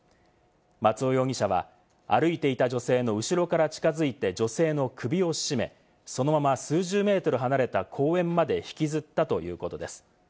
松尾容疑者は歩いていた女性の後ろから近づいて女性の首を絞め、そのまま数十メートル離れた公園まで引きずったということです。